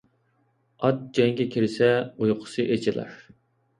ئات جەڭگە كىرسە ئۇيقۇسى ئېچىلار.